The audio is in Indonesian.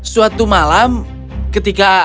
suatu malam ketika